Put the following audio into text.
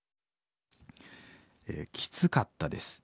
きつかったです。